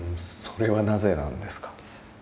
それはなぜなんですか？